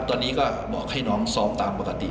ตอนนี้ก็บอกให้น้องซ้อมตามปกติ